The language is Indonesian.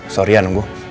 sorry ya nunggu